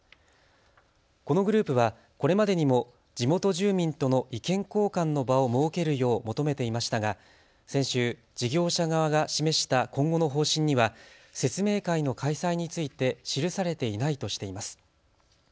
このグループはこれまでにも地元住民との意見交換の場を設けるよう求めていましたが先週、事業者側が示した今後の方針には説明会の開催について記されていないとしています。